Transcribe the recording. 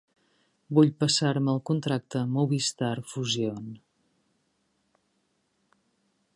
Vull passar-me al contracte Movistar Fusión.